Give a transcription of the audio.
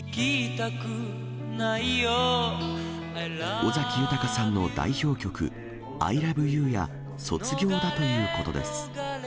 尾崎豊さんの代表曲、アイラブユーや、卒業だということです。